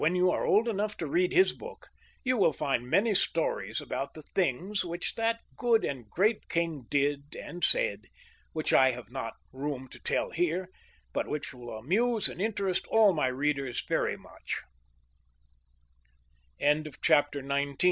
you are old enough to read his book, you will find many stories about the things which that good and great king did and said, which I have not room to tell here, but which will amuse and interest all my r